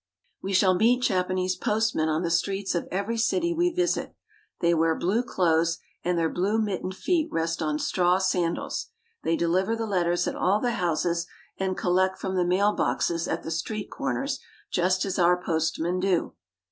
We shall meet Japanese postmen on the streets of every city we visit. They wear blue clothes, and their blue mittened feet rest on straw sandals. They deliver the letters at all the houses, and collect from the mail boxes at the street corners just as our postmen do.